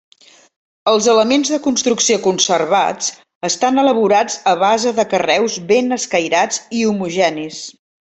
Els elements de construcció conservats estan elaborats a base de carreus ben escairats i homogenis.